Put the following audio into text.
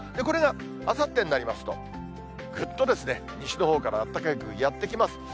これがあさってになりますと、ぐっと西のほうからあったかい空気、やって来ます。